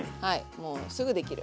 もうすぐできる。